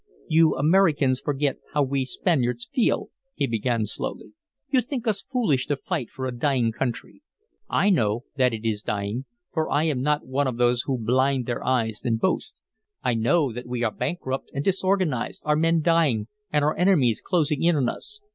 "You Americans forget how we Spaniards feel," he began slowly. "You think us foolish to fight for a dying country. I know that it is dying; for I am not one of those who blind their eyes and boast. I know that we are bankrupt and disorganized, our men dying, and our enemies closing in on us.